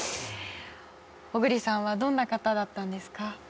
小栗さんはどんな方だったんですか？